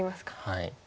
はい。